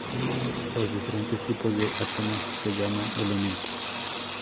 Los diferentes tipos de átomos se llaman elementos.